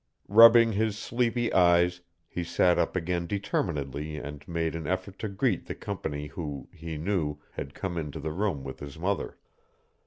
Rubbing his sleepy eyes, he sat up again determinedly and made an effort to greet the company who, he knew, had come into the room with his mother.